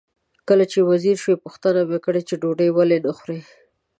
کله چې وزګار شو پوښتنه مې وکړه چې ډوډۍ ولې نه خورې؟